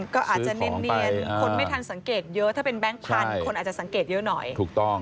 ก็อาจจะเนียนคนไม่ทันสังเกตเยอะถ้าเป็นแบงค์พันธุ์คนอาจจะสังเกตเยอะหน่อยถูกต้อง